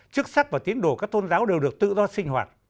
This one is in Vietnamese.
chức sách và tiến đổ các tôn giáo đều được tự do sinh hoạt